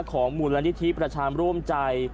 ของมูลนิธิประชามร่วมใจ